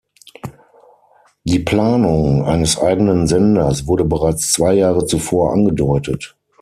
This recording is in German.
Die Planung eines eigenen Senders wurde bereits zwei Jahre zuvor angedeutet.